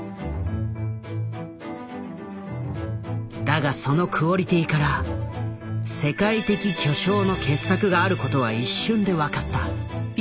だがそのクオリティーから世界的巨匠の傑作があることは一瞬で分かった。